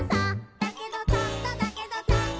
「だけどちょっとだけどちょっと」